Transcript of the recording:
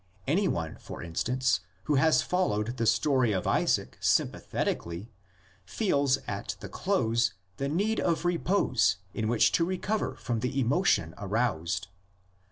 Any one, for instance, who has followed the story of Isaac sympathetically, feels at the close the need of repose in which to recover from the emotion aroused.